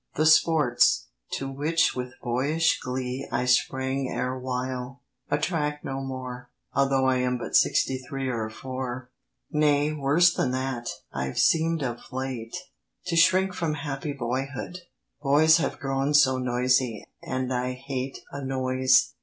The sports, to which with boyish glee I sprang erewhile, attract no more; Although I am but sixty three Or four. Nay, worse than that, I've seem'd of late To shrink from happy boyhood—boys Have grown so noisy, and I hate A noise.